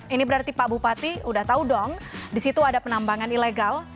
ini berarti pak bupati udah tahu dong disitu ada penambangan ilegal